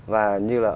và như là